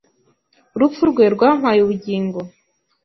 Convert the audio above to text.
Urupfu rwe rwampaye ubugingo.